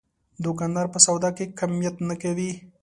دوکاندار په سودا کې کمیت نه کوي.